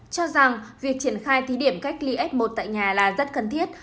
cho rằng việc triển khai thí điểm cách ly f một tại nhà là rất cần thiết